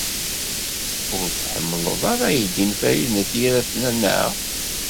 Ur tḥemmleḍ ara aydi n Farid n At Yiraten, anaɣ?